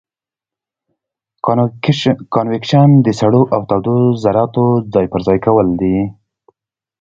کانویکشن د سړو او تودو ذرتو ځای پر ځای کول دي.